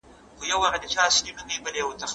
په لاس لیکل د تیرو یادونو د ژوندي ساتلو لاره ده.